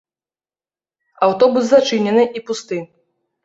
Аўтобус зачынены і пусты.